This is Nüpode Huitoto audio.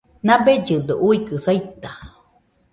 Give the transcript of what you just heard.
Nabellɨdo uikɨ saita